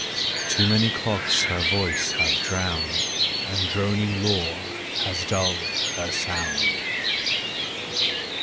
Too many clocks her voice have drowned, And droning law has dulled her sound.